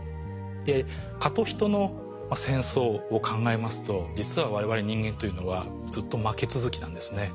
で蚊と人の戦争を考えますと実は我々人間というのはずっと負け続きなんですね。